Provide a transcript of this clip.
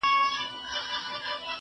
زه له سهاره زده کړه کوم!!